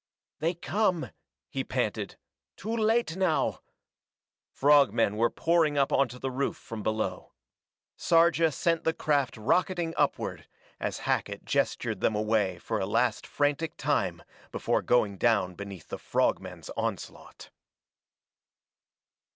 "They come!" he panted. "Too late now " Frog men were pouring up onto the roof from below. Sarja sent the craft rocketing upward, as Hackett gestured them away for a last frantic time before going down beneath the frog men's onslaught.